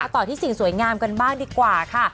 ต่อที่สิ่งสวยงามกันบ้างดีกว่าค่ะ